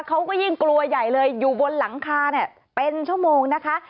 เขาก็ยิ่งกลัวใหญ่เลยอยู่บนหลังคาเนี่ยเป็นชั่วโมงนะคะ